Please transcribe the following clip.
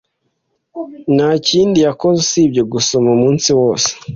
Nta kindi yakoze usibye gusoma umunsi wose.